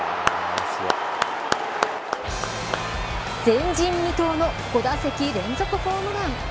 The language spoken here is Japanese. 前人未到の５打席連続ホームラン。